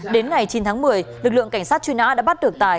đến ngày chín tháng một mươi lực lượng cảnh sát truy nã đã bắt được tài